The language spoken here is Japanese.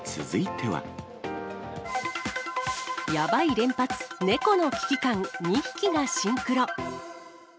やばい連発、猫の危機感、２匹がシンクロ。